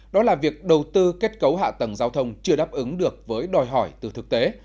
đó là việc đầu tư kết cấu hạ tầng giao thông chưa đáp ứng được với đòi hỏi từ thực tế